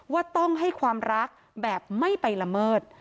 ว่าต้องให้ความรักแบบไม่ไปละเมิด